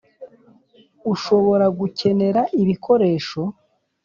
Ushobora gukenera ibikoresho.